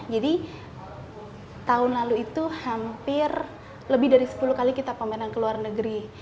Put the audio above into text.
jadi tahun lalu itu hampir lebih dari sepuluh kali kita pameran ke luar negeri